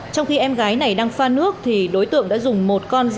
trong khi em gái này đang pha nước thì đối tượng đã dùng một con dao